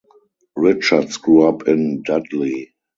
Richards grew up in Dudley.